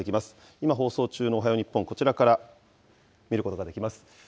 今、放送中のおはよう日本、こちらから見ることができます。